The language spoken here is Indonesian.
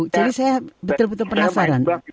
jadi saya betul betul penasaran